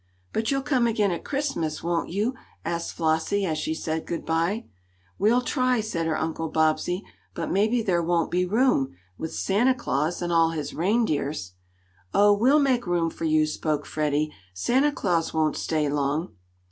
"But you'll come again at Christmas, won't you?" asked Flossie as she said goodbye. "We'll try," said her Uncle Bobbsey. "But maybe there won't be room, with Santa Claus and all his reindeers." "Oh, we'll make room for you," spoke Freddie. "Santa Claus won't stay long."